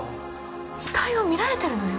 死体を見られてるのよ？